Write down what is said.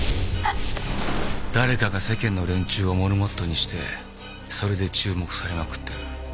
誰かが世間の連中をモルモットにしてそれで注目されまくってる。